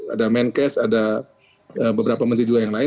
ada menkes ada beberapa menteri juga yang lain